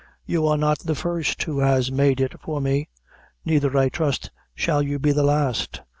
You are not the first who has made it for me; neither, I trust, shall you be the last.